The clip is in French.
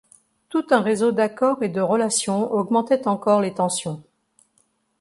Tout un réseau d'accords et de relations augmentait encore les tensions.